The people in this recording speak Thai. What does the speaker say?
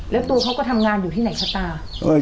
แล้วตัวเขาก็ทำงานอยู่ที่ไหนชะตา